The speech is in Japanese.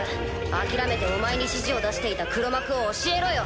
諦めてお前に指示を出していた黒幕を教えろよ。